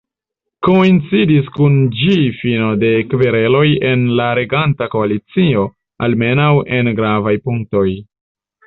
Koincidis kun ĝi fino de kvereloj en la reganta koalicio, almenaŭ en gravaj punktoj.